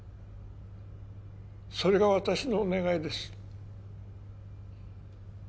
それが私の願いです